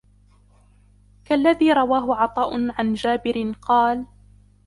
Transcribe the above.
كَاَلَّذِي رَوَاهُ عَطَاءٌ عَنْ جَابِرٍ قَالَ